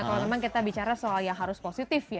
kalau memang kita bicara soal yang harus positif ya